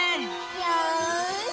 よし！